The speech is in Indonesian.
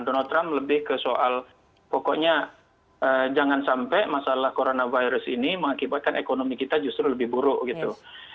donald trump lebih ke soal pokoknya jangan sampai masalah coronavirus ini mengakibatkan ekonomi kita justru lebih buruk gitu